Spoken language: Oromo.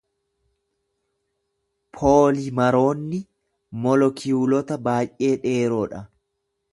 Poolimaroonni molakiyuulota baay'ee dheeroodha.